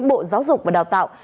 bộ giáo dục và đào tạo